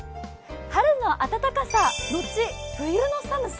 春の暖かさ後、冬の寒さ。